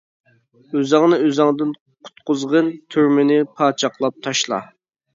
ئۆزۈڭنى ئۆزۈڭدىن قۇتقۇزغىن، تۈرمىنى پاچاقلاپ تاشلا!